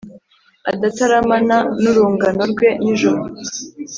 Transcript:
Adataramana n’urungano rwe nijoro